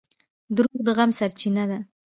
• دروغ د غم سرچینه ده.